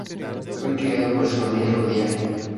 Fue criado por su familia judía.